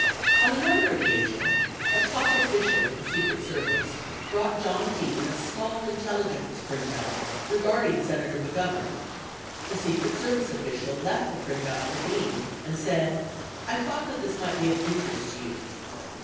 On another occasion, a "top official" at the Secret Service brought John Dean a "small intelligence printout regarding Senator Mc Govern." The Secret Service official left the printout for Dean and said, "I thought that this might be of interest to you."